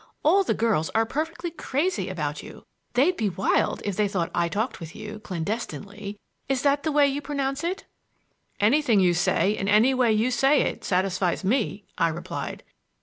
All the girls are perfectly crazy about you. They'd be wild if they thought I talked with you, clandestinely,—is that the way you pronounce it?" "Anything you say and any way you say it satisfies me," I replied.